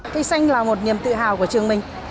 cây xanh là một niềm tự hào của trường mình